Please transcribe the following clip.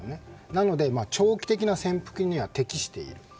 なので長期的な潜伏には適している。